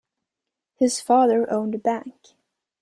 His father owned a bank.